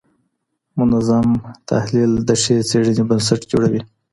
منظم تحلیل د ښې څېړني بنسټ جوړوي.